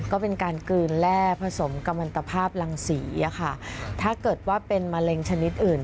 ก็เป็นการกลืนแร่ผสมกำลังตภาพรังสีอะค่ะถ้าเกิดว่าเป็นมะเร็งชนิดอื่น